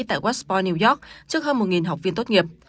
tại westpor new york trước hơn một học viên tốt nghiệp